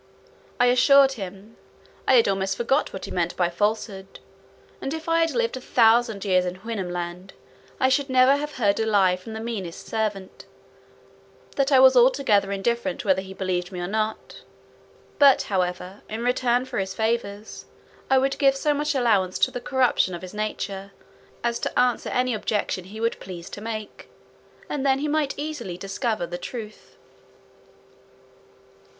I assured him, "I had almost forgot what he meant by falsehood, and if I had lived a thousand years in Houyhnhnmland, I should never have heard a lie from the meanest servant; that I was altogether indifferent whether he believed me or not; but, however, in return for his favours, I would give so much allowance to the corruption of his nature, as to answer any objection he would please to make, and then he might easily discover the truth."